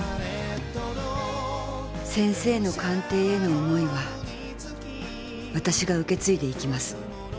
先生の鑑定への思いは私が受け継いでいきます。